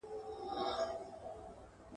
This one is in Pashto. پر تندي مي سجده نسته له انکار سره مي ژوند دی !.